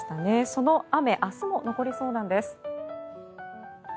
その雨明日も残りそうなんです。